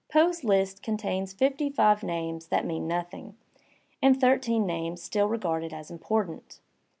Poe's Ust contains fifty five names that mean nothing, and thirteen names still regarded as important.